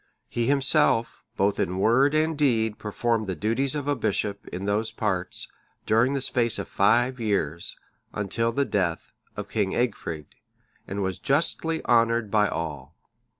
He himself, both in word and deed performed the duties of a bishop in those parts during the space of five years, until the death of King Egfrid,(625) and was justly honoured by all.